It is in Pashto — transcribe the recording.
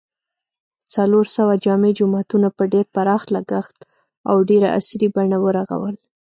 څلورسوه جامع جوماتونه په ډېر پراخ لګښت او ډېره عصري بڼه و رغول